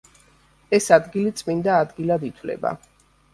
ეს ადგილი წმინდა ადგილად ითვლება.